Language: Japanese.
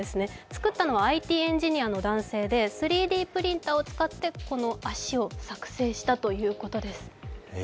作ったのはＩＴエンジニアの男性で３Ｄプリンターを使ってこの脚を作成したということです。